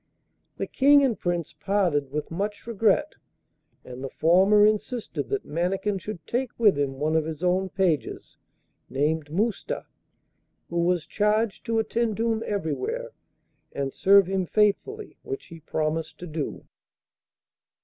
The King and Prince parted with much regret, and the former insisted that Mannikin should take with him one of his own pages, named Mousta, who was charged to attend to him everywhere, and serve him faithfully, which he promised to do.